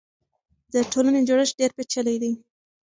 د ټولنې جوړښت ډېر پېچلی دی.